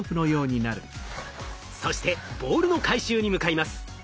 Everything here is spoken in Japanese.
そしてボールの回収に向かいます。